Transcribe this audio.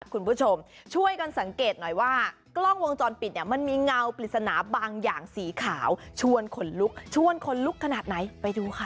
คุณผู้ชมช่วยกันสังเกตหน่อยว่ากล้องวงจรปิดเนี่ยมันมีเงาปริศนาบางอย่างสีขาวชวนขนลุกชวนขนลุกขนาดไหนไปดูค่ะ